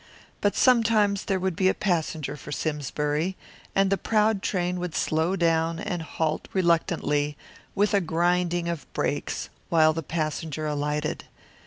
But sometimes there would be a passenger for Simsbury, and the proud train would slow down and halt reluctantly, with a grinding of brakes, while the passenger alighted.